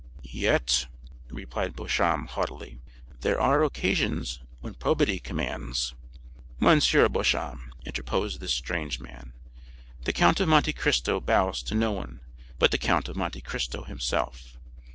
"Yet," replied Beauchamp haughtily, "there are occasions when probity commands——" "M. Beauchamp," interposed this strange man, "the Count of Monte Cristo bows to none but the Count of Monte Cristo himself.